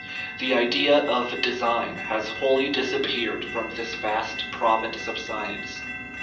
The idea of " design" has wholly disap peared from this vast province of science.